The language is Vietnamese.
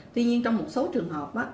tuy nhiên trong một số trường hợp